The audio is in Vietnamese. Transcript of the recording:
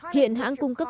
hiện hãng cung cấp